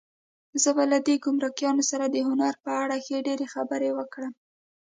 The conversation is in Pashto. زه به له دې ګمرکیانو سره د هنر په اړه ښې ډېرې خبرې وکړم.